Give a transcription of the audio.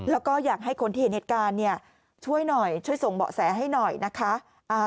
แล้วก็อยากให้คนที่เห็นเหตุการณ์เนี่ยช่วยหน่อยช่วยส่งเบาะแสให้หน่อยนะคะ